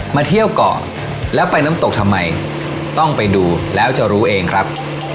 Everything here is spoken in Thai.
มาเที่ยวเกาะแล้วไปน้ำตกทำไมต้องไปดูแล้วจะรู้เองครับ